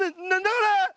これ！